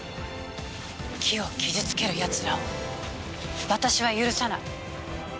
木を傷付けるやつらを私は許さない。